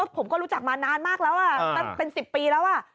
ผมก็รู้จักมานานมากแล้วตั้งเป็น๑๐ปีแล้ว